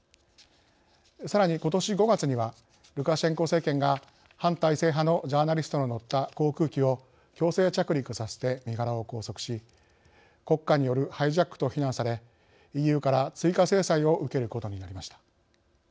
さらに、ことし５月にはルカシェンコ政権が反体制派のジャーナリストの乗った航空機を強制着陸させて身柄を拘束し国家によるハイジャックと非難されＥＵから追加制裁を受けることになりました。